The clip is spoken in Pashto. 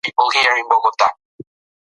استاد به دا کیسه بیانوي.